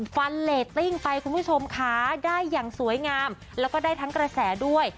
ฟันเลตติ้งไปคุณผู้ชมค่ะได้อย่างสวยงามแล้วก็ได้ทั้งกระแสด้วย